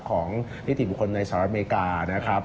ของนิติบุคคลในสหรัฐอเมริกานะครับ